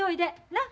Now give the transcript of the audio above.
なっ？